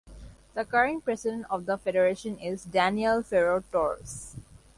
The current president of the federation is Daniel Fierro Torres.